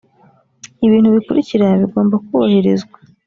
ibintu bikurikira bigomba kubahirizwa